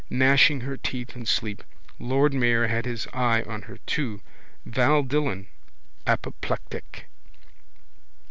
Gnashing her teeth in sleep. Lord mayor had his eye on her too. Val Dillon. Apoplectic.